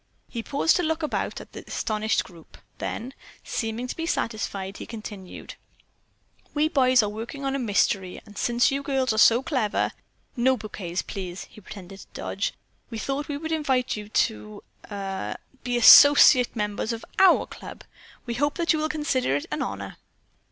He paused to look about at the astonished group. Then, seeming to be satisfied, he continued: "We boys are working on a mystery, and since you girls are so clever (no bouquets, please; he pretended to dodge) we thought we would invite you to—er—be associate members of our club. We hope that you will consider it an honor."